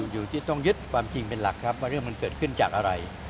อยู่ที่ต้องยึดความจริงเป็นหลักครับว่าเรื่องมันเกิดขึ้นจากอะไร